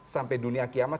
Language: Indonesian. sampai dunia kiamat